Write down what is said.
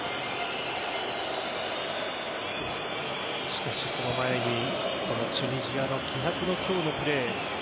しかし、その前にチュニジアの気迫の今日のプレー。